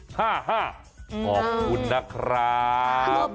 ขอบคุณนะครับ